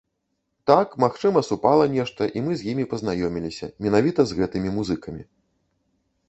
Так, магчыма, супала нешта, і мы з імі пазнаёміліся, менавіта з гэтымі музыкамі.